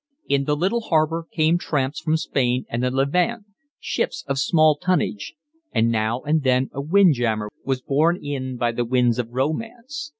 In the little harbour came tramps from Spain and the Levant, ships of small tonnage; and now and then a windjammer was borne in by the winds of romance.